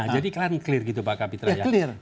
jadi kalian clear gitu pak kapitra ya